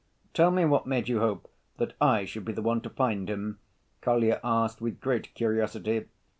"Tell me, what made you hope that I should be the one to find him?" Kolya asked, with great curiosity.